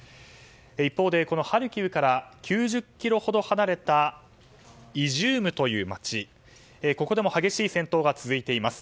一方、ハルキウから９０ｋｍほど離れたイジュームという街、ここでも激しい戦闘が続いています。